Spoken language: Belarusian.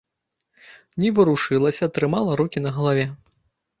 Не варушылася, трымала рукі на галаве.